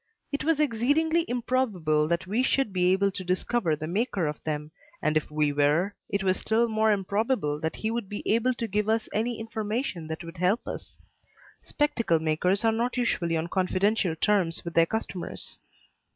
It was exceedingly improbable that we should be able to discover the maker of them, and if we were, it was still more improbable that he would be able to give us any information that would help us. Spectacle makers are not usually on confidential terms with their customers.